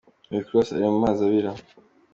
Rick Ross ari mu mazi abira.